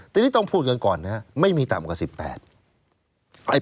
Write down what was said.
ทีนี้ต้องพูดกันก่อนนะครับไม่มีต่ำกว่า๑๘